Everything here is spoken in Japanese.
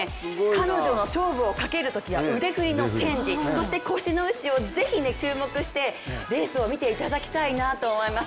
彼女の勝負をかけるときは腕振りのチェンジ、そして腰の位置を是非注目してレースを見ていただきたいなと思います。